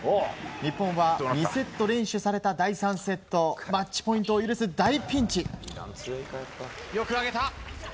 日本は２セット連取された第３セットマッチポイントを許す大ピンチ。